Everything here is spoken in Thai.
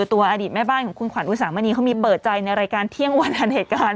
ตัวอดีตแม่บ้านของคุณขวัญอุสามณีเขามีเปิดใจในรายการเที่ยงวันอันเหตุการณ์